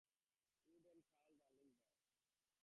Wood and Carl Darling Buck.